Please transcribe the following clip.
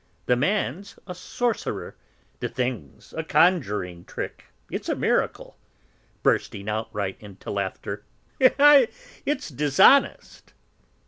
The man's a sorcerer; the thing's a conjuring trick, it's a miracle," bursting outright into laughter, "it's dishonest!"